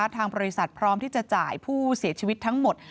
ทางบริษัทพร้อมที่จะจ่ายผู้เสียชีวิตทั้งหมด